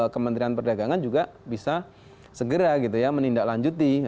kementerian perdagangan juga bisa segera gitu ya menindaklanjuti